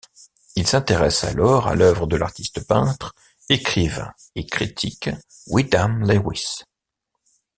Il s'intéresse alors à l'œuvre de l'artiste-peintre, écrivain et critique Wyndham Lewis.